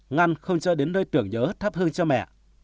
ngăn không cho đến nơi tưởng nhớ thấp hơn cho mẹ